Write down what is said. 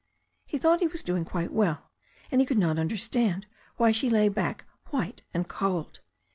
He thought he was doing quite well, and he could not understand why she lay back white and cold.